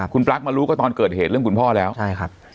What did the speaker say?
คุณปลั๊กมารู้ก็ตอนเกิดเหตุเรื่องคุณพ่อแล้วใช่ครับ